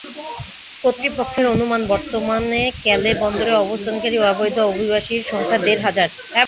কর্তৃপক্ষের অনুমান, বর্তমানে ক্যালে বন্দরে অবস্থানকারী অবৈধ অভিবাসীর সংখ্যা দেড় হাজার।